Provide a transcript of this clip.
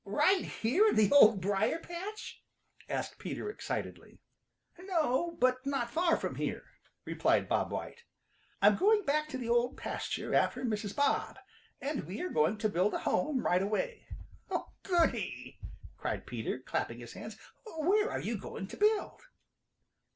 "Right here in the Old Briar patch?" asked Peter excitedly. "No, but not far from here," replied Bob White. "I'm going back to the Old Pasture after Mrs. Bob, and we are going to build a home right away." "Goody!" cried Peter, clapping his hands. "Where are you going to build?"